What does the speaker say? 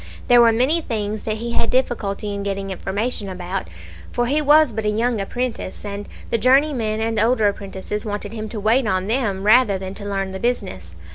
There were many things that he had difficulty in getting information about, for he was but a young apprentice, and the journeymen and older apprentices wanted him to wait on them rather than to learn the business.